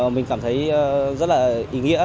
mình cảm thấy rất là ý nghĩa